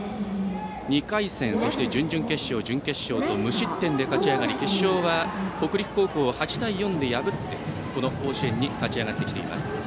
２回戦、そして準々決勝、準決勝と無失点で勝ち上がり、決勝は北陸高校を８対４で破って甲子園に勝ち上がってきています。